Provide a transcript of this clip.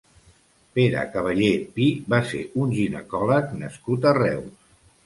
Pere Cavallé Pi va ser un ginecòleg nascut a Reus.